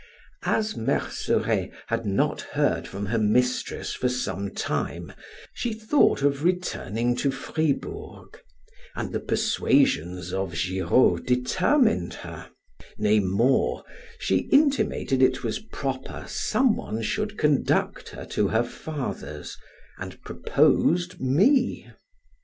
As Merceret had not heard from her mistress for some time, she thought of returning to Fribourg, and the persuasions of Giraud determined her; nay more, she intimated it was proper someone should conduct her to her father's and proposed me.